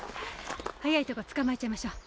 早いとこ捕まえちゃいましょう。